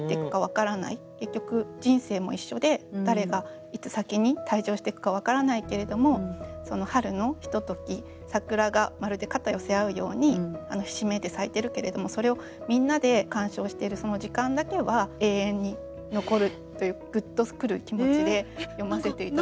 結局人生も一緒で誰がいつ先に退場してくか分からないけれどもその春のひととき桜がまるで肩寄せ合うようにひしめいて咲いてるけれどもそれをみんなで観賞しているその時間だけは永遠に残るというグッとくる気持ちで読ませて頂きました。